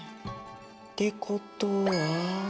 ってことは。